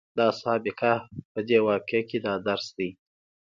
د اصحاب کهف په دې واقعه کې دا درس دی.